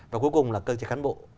và cuối cùng là cơ chế cán bộ